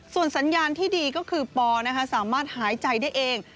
ส่วนสัญญาณที่ดีก็คือปสามารถหายใจได้เอง